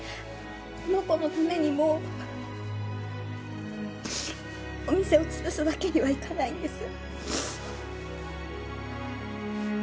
この子のためにもお店をつぶすわけにはいかないんです。